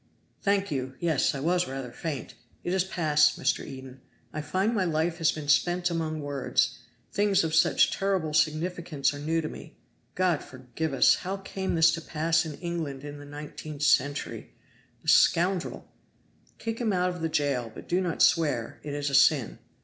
"Thank you! Yes, I was rather faint. It is passed. Mr. Eden, I find my life has been spent among words things of such terrible significance are new to me. God forgive us! how came this to pass in England in the nineteenth century? The scoundrel!" "Kick him out of the jail, but do not swear; it is a sin.